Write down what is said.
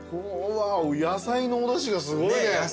野菜のおだしがすごいね。